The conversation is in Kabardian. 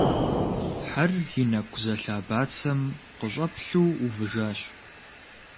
Хьэр и нэкӀу зэлъа бацэм къыщӀэплъу увыжащ.